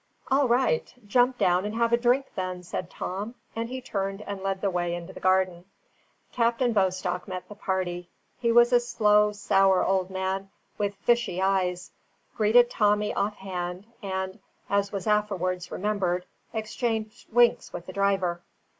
"All right: jump down and have a drink then," said Tom, and he turned and led the way into the garden. Captain Bostock met the party: he was a slow, sour old man, with fishy eyes; greeted Tommy offhand, and (as was afterwards remembered) exchanged winks with the driver.